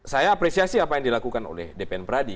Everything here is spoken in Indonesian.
saya apresiasi apa yang dilakukan oleh dpn pradi